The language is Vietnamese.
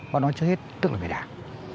bác nói trước hết tức là về đảng